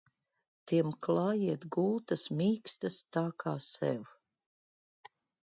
Tiem klājiet gultas mīkstas tā kā sev!